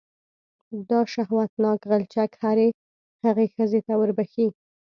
دا شهوتناک غلچک هرې هغې ښځې ته وربښې.